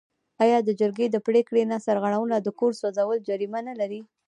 آیا د جرګې د پریکړې نه سرغړونه د کور سوځول جریمه نلري؟